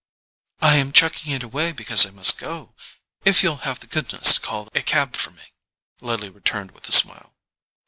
"I am chucking it away because I must go, if you'll have the goodness to call a cab for me," Lily returned with a smile.